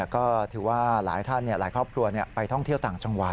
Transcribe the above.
ก็ถือว่าหลายท่านหลายครอบครัวไปท่องเที่ยวต่างจังหวัด